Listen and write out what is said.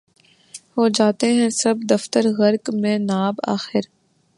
ہو جاتے ہیں سب دفتر غرق مے ناب آخر